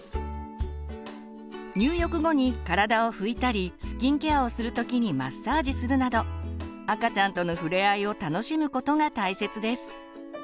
入浴後に体を拭いたりスキンケアをする時にマッサージするなど赤ちゃんとの触れ合いを楽しむことが大切です。